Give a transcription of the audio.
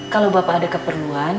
kalo bapak ada keperluan